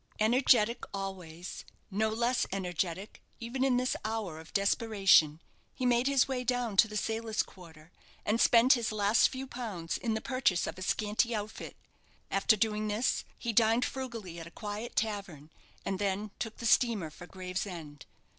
Energetic always, no less energetic even in this hour of desperation, he made his way down to the sailors' quarter, and spent his few last pounds in the purchase of a scanty outfit. After doing this, he dined frugally at a quiet tavern, and then took the steamer for Gravesend.